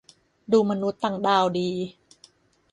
ดูมนุษย์ต่างดาวดี